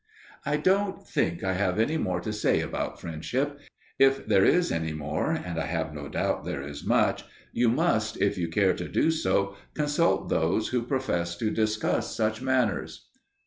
I don't think I have any more to say about friendship. If there is any more, and I have no doubt there is much, you must, if you care to do so, consult those who profess to discuss such matters.